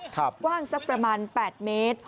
กว้างสักประมาณ๘เมตร